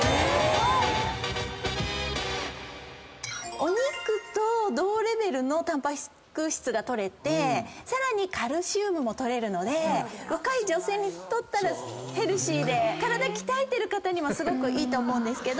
お肉と同レベルのタンパク質が取れてさらにカルシウムも取れるので若い女性にとったらヘルシーで体鍛えてる方にもすごくいいと思うんですけど。